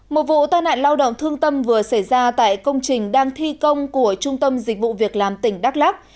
một vụ tai nạn lao động thương tâm vừa xảy ra tại công trình đang thi công của trung tâm dịch vụ việc làm tỉnh đắk lắc